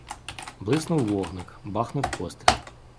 Блиснув вогник, бахнув постріл.